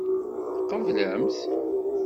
Tqeblemt?